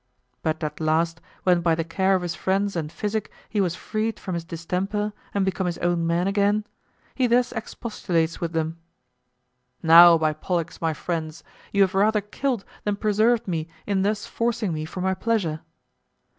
But at last, when by the care of his friends and physic he was freed from his distemper and become his own man again, he thus expostulates with them, "Now, by Pollux, my friends, you have rather killed than preserved me in thus forcing me from my pleasure."